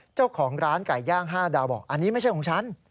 เจ้าของร้านไก่ย่าง๕ดาวบอกอันนี้ไม่ใช่ของฉัน